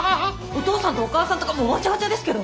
お父さんとお母さんとかもうわちゃわちゃですけど。